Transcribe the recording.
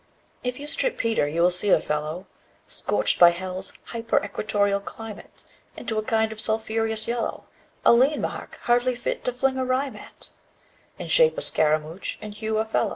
_40 6. If you strip Peter, you will see a fellow Scorched by Hell's hyperequatorial climate Into a kind of a sulphureous yellow: A lean mark, hardly fit to fling a rhyme at; In shape a Scaramouch, in hue Othello.